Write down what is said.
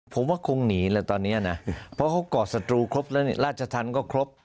ผมว่าคงหนีละตอนนี้นะเพราะเขาเกาะสตูครบแล้วเนี่ยลาชทันก็ครบ